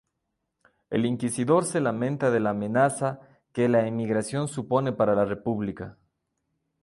El Inquisidor se lamenta de la amenaza que la Emigración supone para la república.